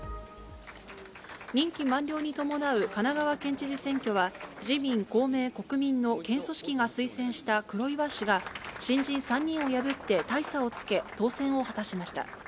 任期満了に伴う神奈川県知事選挙は、自民、公明、国民の県組織が推薦した黒岩氏が新人３人を破って大差をつけ、当選を果たしました。